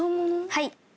はい。